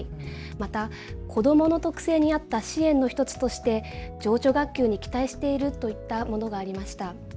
また子どもの特性に合った支援の１つとして情緒学級に期待しているといったものがありました。